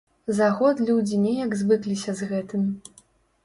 За год людзі неяк звыкліся з гэтым.